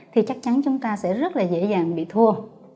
thì chắc chắn chúng ta sẽ rất là dễ dàng bị thua